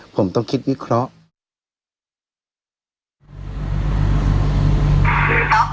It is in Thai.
ผมต้องคิดวิเคราะห์